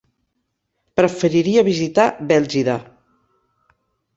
Preferiria visitar Bèlgida.